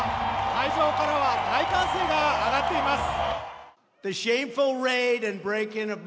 会場からは大歓声が上がっています。